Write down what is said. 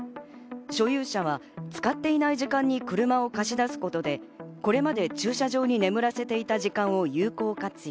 所有者は使っていない時間に車を貸し出すことでこれまで駐車場に眠らせていた時間を有効活用。